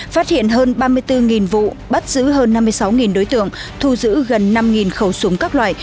phát hiện hơn ba mươi bốn vụ bắt giữ hơn năm mươi sáu đối tượng thu giữ gần năm khẩu súng các loại